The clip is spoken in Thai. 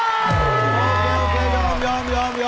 โอเคโอเคยอม